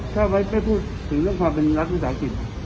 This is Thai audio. ถ้าไว้ไม่พูดถึงเรื่องของรัฐวิทยาลัยกิจ